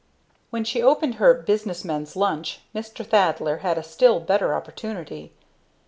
When she opened her "Business Men's Lunch" Mr. Thaddler had a still better opportunity.